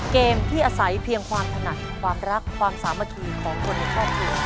เกมที่อาศัยเพียงความถนัดความรักความสามัคคีของคนในครอบครัว